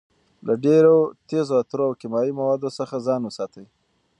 له ډېرو تېزو عطرو او کیمیاوي موادو څخه ځان وساتئ.